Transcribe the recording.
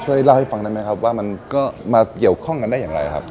ช่วยเล่าให้ฟังได้ไหมครับว่ามันก็มาเกี่ยวข้องกันได้อย่างไรครับ